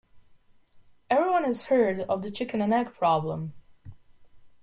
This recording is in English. Everyone has heard of the chicken and egg problem.